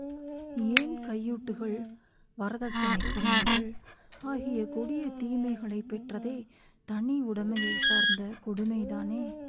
ஏன் கையூட்டுகள், வரதட்சணைக் கொடுமைகள் ஆகிய கொடிய தீமைகளைப் பெற்றதே தனி உடைமையைச் சார்ந்த கொடுமைதானே!